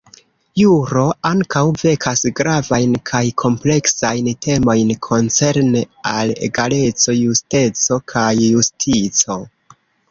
Juro ankaŭ vekas gravajn kaj kompleksajn temojn koncerne al egaleco, justeco, kaj justico.